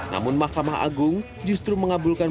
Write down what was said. namun mahkamah agung justru mengabulkan